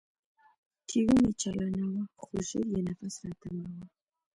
ټي وي مې چالاناوه خو ژر يې نفس راتنګاوه.